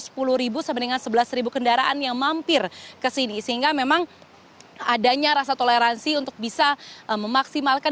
sekitar sepuluh sampai dengan sebelas kendaraan yang mampir ke sini sehingga memang adanya rasa toleransi untuk bisa memaksimalkan